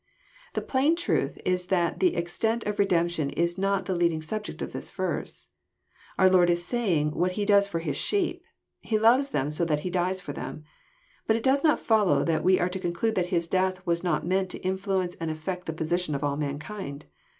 The plain truth is that the ex tent of redemption is not the leading subject of this verse. Our Lord is saying what He does for His sheep : He loves them so that He dies for them. But it does not follow that we are to conclude that His death was not meant to influence and effect the position of all mankind.